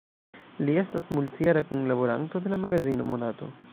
Li estas multjara kunlaboranto de la magazino "Monato".